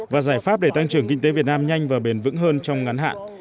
và giải pháp để tăng trưởng kinh tế việt nam nhanh và bền vững hơn trong ngắn hạn